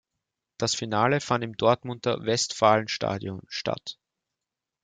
Das Finale fand im Dortmunder Westfalenstadion statt.